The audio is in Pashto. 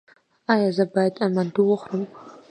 ایا زه باید منتو وخورم؟